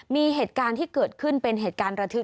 มีเหตุการณ์ที่เกิดขึ้นเป็นเหตุการณ์ระทึก